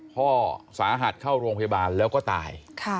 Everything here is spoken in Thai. พ่อสาหัสเข้าโรงพยาบาลแล้วก็ตาย